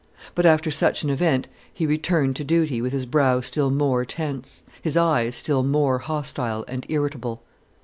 But after such an event, he returned to duty with his brow still more tense, his eyes still more hostile and irritable.